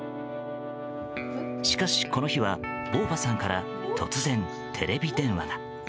しかし、この日はヴォ―ヴァさんから突然、テレビ電話が。